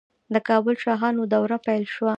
د کابل شاهانو دوره پیل شوه